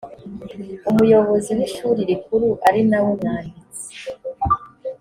umuyobozi w ishuri rikuru ari nawe mwanditsi